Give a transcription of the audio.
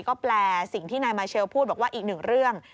ก็แปลสิ่งที่นายมาเชลพูดบอกว่าอีกหนึ่งเรื่อง